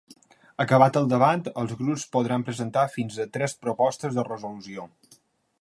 Acabat el debat, els grups podran presentar fins a tres propostes de resolució.